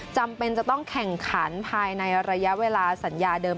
จำเป็นจะต้องแข่งขันภายในระยะเวลาสัญญาเดิม